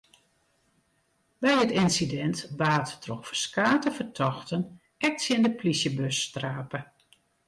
By it ynsidint waard troch ferskate fertochten ek tsjin de polysjebus trape.